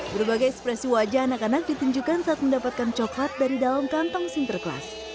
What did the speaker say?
berbagai ekspresi wajah anak anak ditunjukkan saat mendapatkan coklat dari dalam kantong sinterklas